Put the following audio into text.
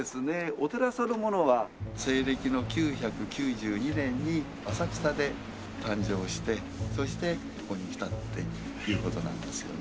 お寺そのものは西暦の９９２年に浅草で誕生してそしてここに来たっていう事なんですよね。